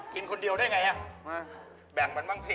กินคนเดียวได้ไงแบ่งมันบ้างสิ